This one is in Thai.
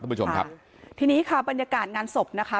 คุณผู้ชมครับทีนี้ค่ะบรรยากาศงานศพนะคะ